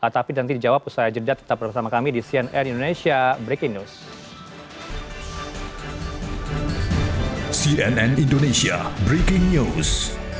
tapi nanti dijawab usai jeda tetap bersama kami di cnn indonesia breaking news